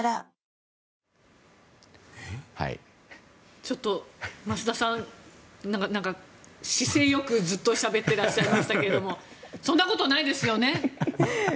ちょっと増田さん姿勢良くずっとしゃべってらっしゃいましたけどそんなことないですよね。